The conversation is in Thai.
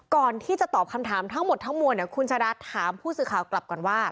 ก่อนที่จะตอบคำถามทั้งหมดทั้งมวลคุณชาดาถามผู้สื่อข่าวกลับก่อนว่า